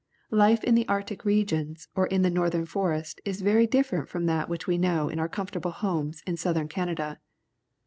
Life in the Arctic regions or in the north ern forest is very different from that which we know in our comfortable homes in Southern Canada.